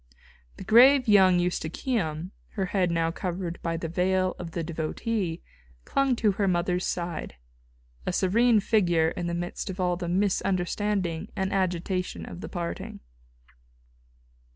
The grave young Eustochium, her head now covered by the veil of the devotee, clung to her mother's side, a serene figure in the midst of all the misunderstanding and agitation of the parting.